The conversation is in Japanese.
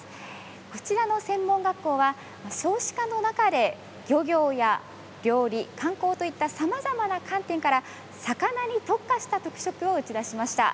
こちらの専門学校は少子化の中で漁業や料理、観光といったさまざまな観点から魚に特化した特色を打ち出しました。